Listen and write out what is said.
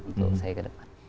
untuk saya ke depan